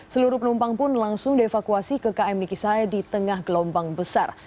seluruh penumpang pun langsung dievakuasi ke km nikisai di tengah gelombang besar